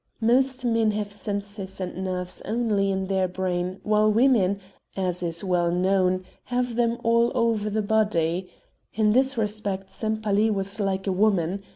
Most men have senses and nerves only in their brain while women, as is well known, have them all over the body; in this respect Sempaly was like a woman.